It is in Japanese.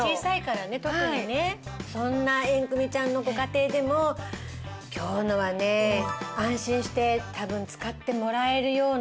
そんなエンクミちゃんのご家庭でも今日のはね安心して多分使ってもらえるような。